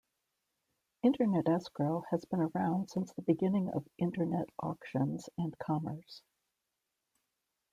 Internet escrow has been around since the beginning of Internet auctions and commerce.